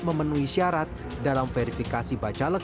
memenuhi syarat dalam verifikasi bacalek